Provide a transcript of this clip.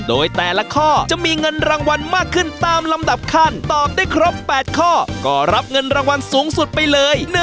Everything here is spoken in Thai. โดยแต่ละข้อจะมีเงินรางวัลมากขึ้นตามลำดับขั้นตอบได้ครบ๘ข้อก็รับเงินรางวัลสูงสุดไปเลย